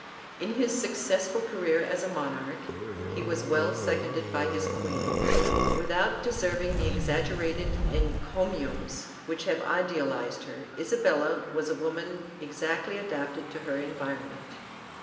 In his successful career as a monarch he was well seconded by his queen. Without deserving the exaggerated encomiums which have idealized her, Isabella was a woman exactly adapted to her environment.